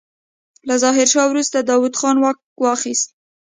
له ظاهرشاه وروسته داوود خان واک واخيست.